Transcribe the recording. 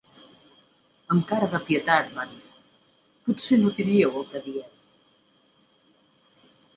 Amb cara de pietat va dir:… potser no diríeu el què dieu.